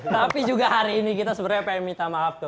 tapi juga hari ini kita sebenarnya pengen minta maaf tuh